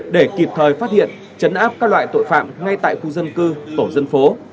để kịp thời phát hiện chấn áp các loại tội phạm ngay tại khu dân cư tổ dân phố